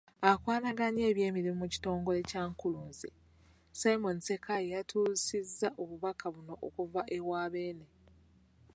Akwanaganya eby'emirimu mu kitongole kya Nkuluze, Simon Ssenkaayi y'atuusizza obubaka buno okuva ewa Beene.